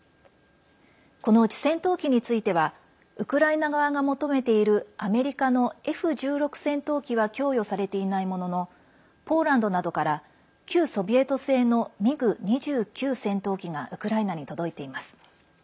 このうち戦闘機についてはウクライナ側が求めているアメリカのＦ１６戦闘機は供与されていないもののポーランドなどから旧ソビエト製のミグ２９戦闘機がウクライナに届いています。